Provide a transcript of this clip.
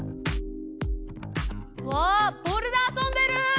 わボールで遊んでる！